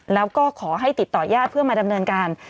แล้วก็ขอให้ติดต่อยาดเพื่อมาดำเนินการ